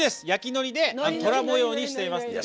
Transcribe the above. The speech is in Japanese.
焼きのりでトラ模様にしています。